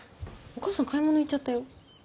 お母さん買い物行っちゃったよ。